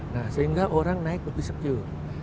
nah sehingga orang naik lebih secure